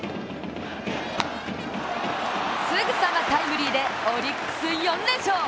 すぐさまタイムリーでオリックス４連勝。